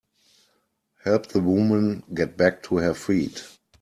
Help the woman get back to her feet.